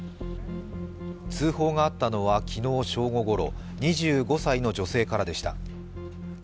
通報があったのは昨日正午ごろ、２５歳の女性からでした。